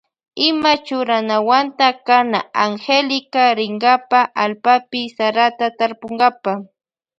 Ima churanawanta kana Angélica rinkapa allpapi sarata tarpunkapa.